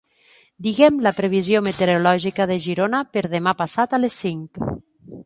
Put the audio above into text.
Digue'm la previsió meteorològica de Girona per demà passat a les cinc.